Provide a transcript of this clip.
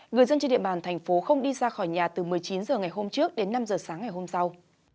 người dân trên địa bàn thành phố không đi ra khỏi nhà từ một mươi chín h ngày hôm trước đến năm h sáng ngày hôm sau